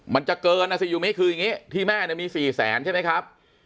มันจะเกินนะสิยูมิคืออย่างงี้ที่แม่มีสี่แสนใช่ไหมครับ